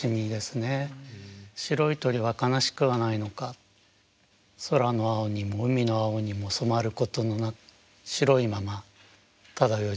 白い鳥は悲しくはないのか空の青にも海の青にも染まることもなく白いまま漂い続けている。